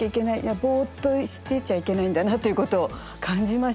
ぼっとしてちゃいけないんだなということを感じました。